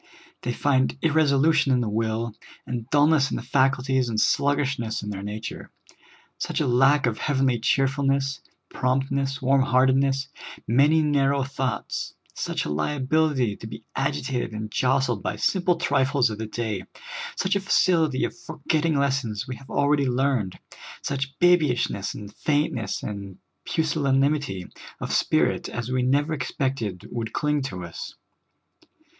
They find irresolu tion in the will, and dullness in the faculties and slug FRETTING OVER OURSELVES. 47 gishness in their nature ; such a lack of heavenly cheerfulness, promptness, warm heartedness ; many narrow thoughts ; such a liability to be agitated and jostled by simple trifles of the day ; such a facility of forgetting lessons we have already learned ; such baby ishness, and faintness, and pusillanimity of spirit, as we never expected would cling to us.